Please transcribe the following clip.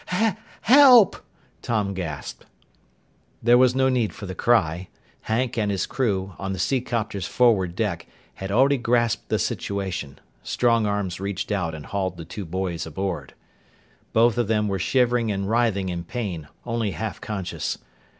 "H h help!" Tom gasped. There was no need for the cry. Hank and his crew, on the seacopter's forward deck, had already grasped the situation. Strong arms reached out and hauled the two boys aboard. Both of them were shivering and writhing in pain, only half conscious.